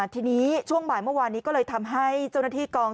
ทีนี้ช่วงบ่ายเมื่อวานนี้ก็เลยทำให้เจ้าหน้าที่กอง